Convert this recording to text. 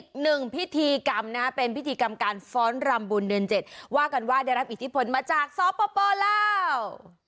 อีกหนึ่งพิธีกรรมนะเป็นพิธีกรรมการฟ้อนรำบุญเดือน๗ว่ากันว่าได้รับอิทธิพลมาจากสปลาว